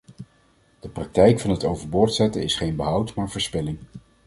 De praktijk van het overboord zetten is geen behoud, maar verspilling.